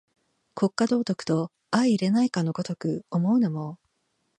国家道徳と相容れないかの如く思うのも、